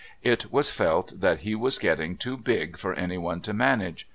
It was felt that he was getting too big for anyone to manage.